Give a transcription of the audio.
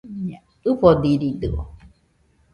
ɨfodiridɨo